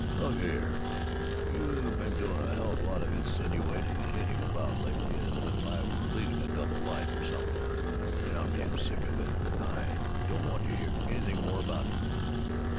"Look here! You been doing a hell of a lot of insinuating and hinting around lately, as if I were leading a double life or something, and I'm damn sick of it, and I don't want to hear anything more about it!"